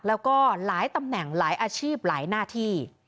แล้วก็หลายตำแหน่งหลายอาชีพหลายหน้าที่